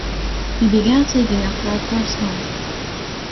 We began saving up for our first home.